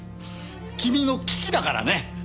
君の危機だからね！